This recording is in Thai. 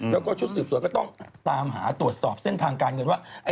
แล้วก็ชุดสืบสวนก็ต้องตามหาตรวจสอบเส้นทางการเงินว่า